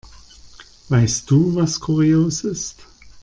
Weißt du, was kurios ist?